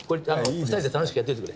２人で楽しくやっといてくれ。